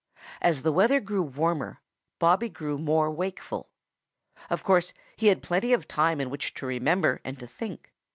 As the weather grew warmer, Bobby grew more wakeful. Of course, he had plenty of time in which to remember and to think.